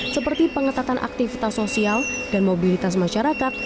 seperti pengetatan aktivitas sosial dan mobilitas masyarakat